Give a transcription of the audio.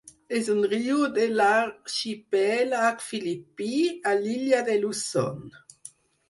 És un riu de l'Arxipèlag Filipí, a l'illa de Luzon.